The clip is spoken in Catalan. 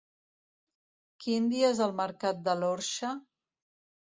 Quin dia és el mercat de l'Orxa?